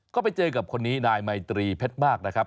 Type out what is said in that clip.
ก็ไปเจอกับคนนี้นายไมตรีเพชรมากนะครับ